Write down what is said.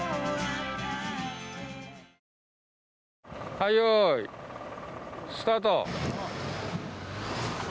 はい用意スタート。